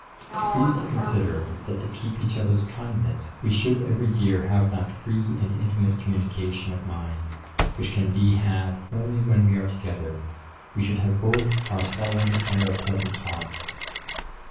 Please to consider, that to keep each other's kindness, we should every year have that free and intimate communication of mind which can be had only when we are together. We should have both our solemn and our pleasant talk.'